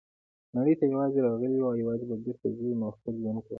نړۍ ته یوازي راغلي یوو او یوازي به بیرته ځو نو خپل ژوند کوه.